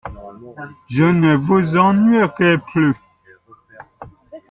Je ne vous ennuierai plus.